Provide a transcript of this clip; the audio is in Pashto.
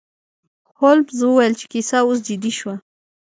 هولمز وویل چې کیسه اوس جدي شوه.